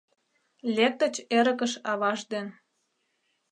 Лектыч эрыкыш аваж ден: